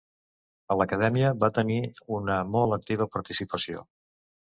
En l'Acadèmia, va tenir una molt activa participació.